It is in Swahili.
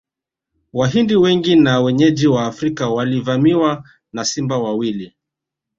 Wahindi wengi na wenyeji Waafrika walivamiwa na simba wawili